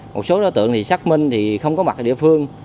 một số đối tượng xác minh không có mặt ở địa phương